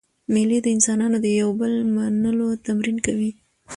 مېلې د انسانانو د یو بل منلو تمرین کوي.